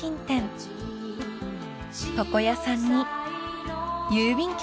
［床屋さんに郵便局］